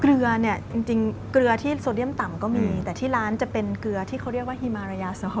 เกลือเนี่ยจริงเกลือที่โซเดียมต่ำก็มีแต่ที่ร้านจะเป็นเกลือที่เขาเรียกว่าฮีมารายาโซฮอ